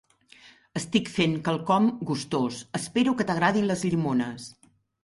Estic fent quelcom gustós, espero que t'agradin les llimones!